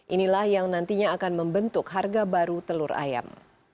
inilah yang nantinya akan membentuk harga baru telur ayam